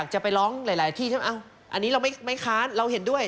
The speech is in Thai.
จะไปร้องหลายที่ใช่ไหมอันนี้เราไม่ค้านเราเห็นด้วย